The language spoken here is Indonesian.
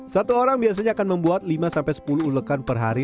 satu orang biasanya akan membuat lima sampai sepuluh ulekan per hari